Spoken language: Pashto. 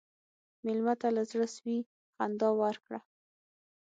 مېلمه ته له زړه سوي خندا ورکړه.